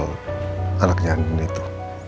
soal anaknya andin itu